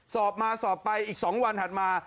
สอบมาสอบไปอีก๒วันตัวละท้านมา